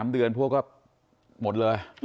๓เดือนพวกก็หมดเลย